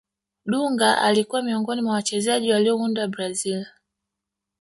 dunga alikuwa miongoni mwa wachezaji waliounda brazil